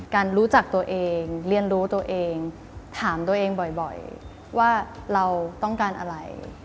รู้จักตัวเองเรียนรู้ตัวเองถามตัวเองบ่อยว่าเราต้องการอะไร